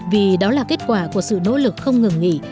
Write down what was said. vì đó là kết quả của sự nỗ lực không ngừng nghỉ